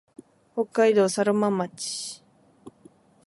北海道佐呂間町